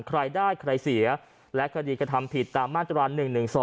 ใครได้ใครเสียและคดีกระทำผิดตามมาตรา๑๑๒